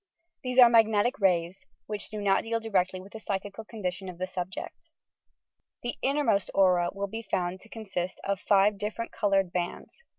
These are magnetic rays which do not deal k 98 YOUR PSYCHIC POWERS directly with the psychical condition of the subjeot. The innermost aura will be found to consist of five different coloured bands.